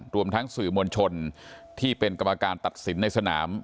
รวมทั้งสื่อมวลชนที่เป็นกรรมการตัดสินในสนาม